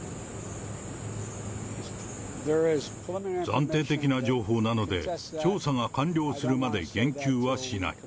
暫定的な情報なので、調査が完了するまで言及はしない。